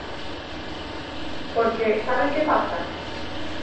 Porque, ¿saben que pasa?